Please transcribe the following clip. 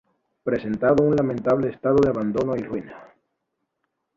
Presentando un lamentable estado de abandono y ruina.